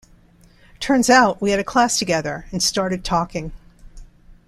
Turns out we had a class together and started talking.